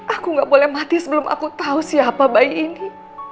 aku gak boleh mati sebelum aku tahu siapa bayi ini